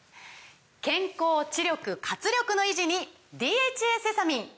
健康・知力・活力の維持に「ＤＨＡセサミン」！